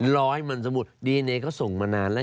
รอให้มันสมุดดีเนยก็ส่งมานานแล้ว